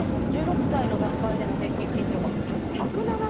１６歳での段階での平均身長が１７０．９ｃｍ。